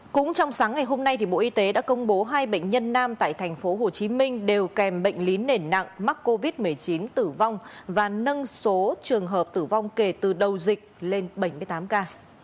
cũng trong sáng ngày hôm nay bộ y tế đã công bố hai bệnh nhân nam tại tp hcm đều kèm bệnh lý nền nặng mắc covid một mươi chín tử vong và nâng số trường hợp tử vong kể từ đầu dịch lên bảy mươi tám ca